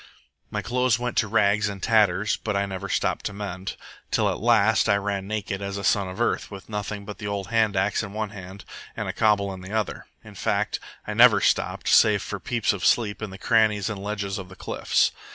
My clothes went to rags and tatters, but I never stopped to mend, till at last I ran naked as a son of earth, with nothing but the old hand axe in one hand and a cobble in the other. In fact, I never stopped, save for peeps of sleep in the crannies and ledges of the cliffs.